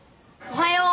おはよう。